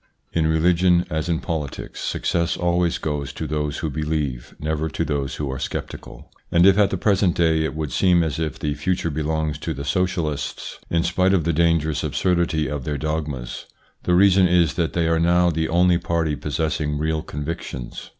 In religion, as in politics, success always goes to those who believe, never to those who are sceptical, and if at the present day it would seem as if the future belongs to the Socialists, in spite of the dangerous absurdity of their dogmas, the reason is that they are now the only party possessing real convictions.